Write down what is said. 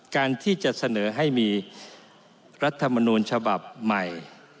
การที่จะเสนอให้มีรัฐมนูลฉบับใหม่